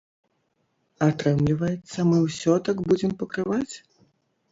Атрымліваецца, мы ўсё так будзем пакрываць?